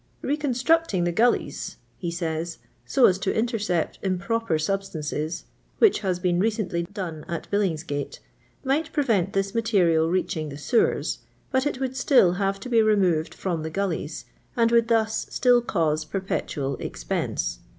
*' Reconstructing the gullies," he says, " so as to intercept improper substances (which h.is been recently done at Billingsgate), might prevent this material reaching the sewers, but it would still have to be removed from the gullies, and would thus still cause perpetual expense.